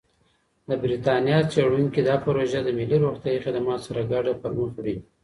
د بریتانیا څېړونکي دا پروژه د ملي روغتیايي خدماتو سره ګډه پرمخ وړي.